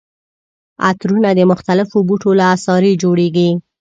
عطرونه د مختلفو بوټو له عصارې جوړیږي.